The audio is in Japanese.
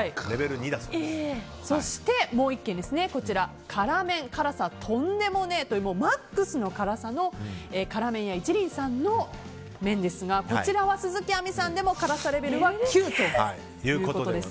そしてもう１軒辛麺、辛さとんでもねぇというマックスの辛さの辛麺屋一輪さんの麺ですがこちらは鈴木亜美さんでも辛さレベルは９ということです。